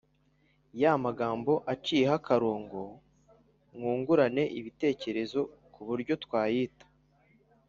y’amagambo aciyeho akarongo mwungurane n’ibitekerezo ku buryo twayita.